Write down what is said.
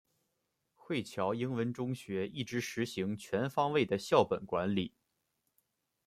惠侨英文中学一直实行全方位的校本管理。